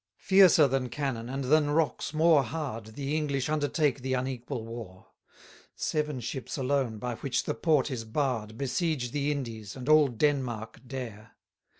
27 Fiercer than cannon, and than rocks more hard, The English undertake the unequal war: Seven ships alone, by which the port is barr'd, Besiege the Indies, and all Denmark dare.